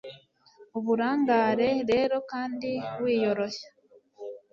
Uburangare rero kandi wiyoroshya